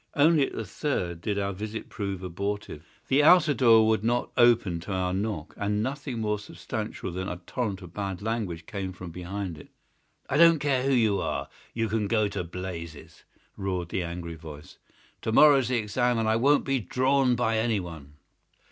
Only at the third did our visit prove abortive. The outer door would not open to our knock, and nothing more substantial than a torrent of bad language came from behind it. "I don't care who you are. You can go to blazes!" roared the angry voice. "To morrow's the exam, and I won't be drawn by anyone."